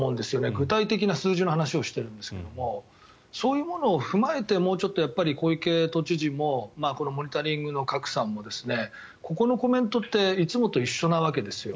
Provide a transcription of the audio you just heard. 具体的な数字の話をしてるんですけどもそういうものを踏まえてもうちょっと小池都知事もこれはモニタリングの賀来さんもここのコメントっていつもと一緒なわけですよ。